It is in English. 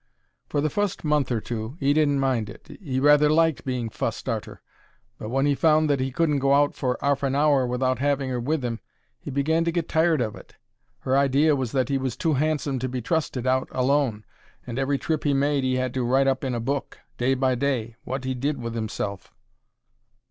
For the fust month or two 'e didn't mind it, 'e rather liked being fussed arter, but when he found that he couldn't go out for arf an hour without having 'er with 'im he began to get tired of it. Her idea was that 'e was too handsome to be trusted out alone; and every trip he made 'e had to write up in a book, day by day, wot 'e did with himself.